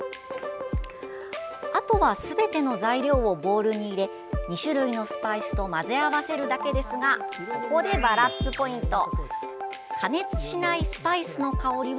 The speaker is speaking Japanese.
あとは、すべての材料をボウルに入れ２種類のスパイスと混ぜ合わせるだけですがここで、バラッツポイント。